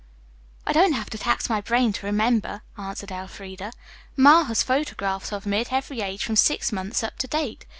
"I don't have to tax my brain to remember," answered Elfreda. "Ma has photographs of me at every age from six months up to date.